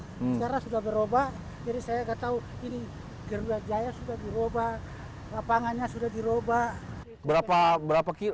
sekarang sudah berubah jadi saya gak tau ini garuda jaya sudah diubah lapangannya sudah diubah